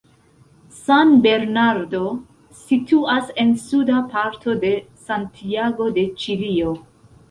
San Bernardo situas en suda parto de Santiago de Ĉilio.